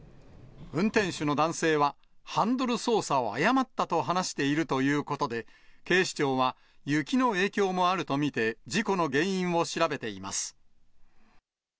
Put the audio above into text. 運転手の男性は、ハンドル操作を誤ったと話しているということで、警視庁は雪の影響もあると見て、事故の原因を調べています。